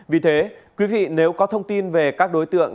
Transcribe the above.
vì thế quý vị nếu có thông tin về các đối tượng